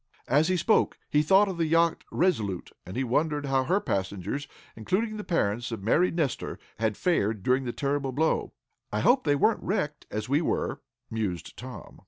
As he spoke he thought of the yacht RESOLUTE, and he wondered how her passengers, including the parents of Mary Nestor, had fared during the terrible blow. "I hope they weren't wrecked, as we were," mused Tom.